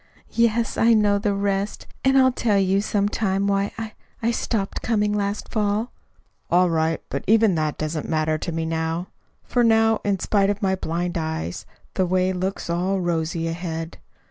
"Yes, I know the rest; and I'll tell you, some time, why I I stopped coming last fall." "All right; but even that doesn't matter to me now; for now, in spite of my blind eyes, the way looks all rosy ahead.